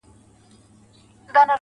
عجيب سړى يم له سهاره تر غرمې بيدار يم.